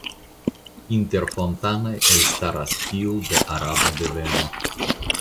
Inter fontanoj elstaras tiu de araba deveno.